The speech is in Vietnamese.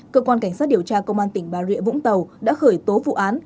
cơ quan cảnh sát điều tra công an tỉnh bà rịa vũng tàu đã khởi tố vụ án